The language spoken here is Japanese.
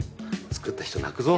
作った人泣くぞ。